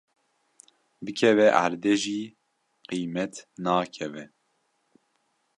bikeve erdê jî qîmet nakeve.